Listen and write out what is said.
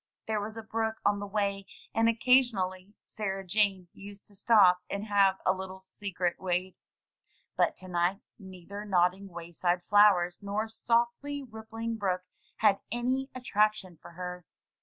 There was a brook on the way, and occasionally Sarah Jane used to stop and have a little secret wade. But to night neither nod ding way side flowers nor softly rippling brook had any attrac tion for her.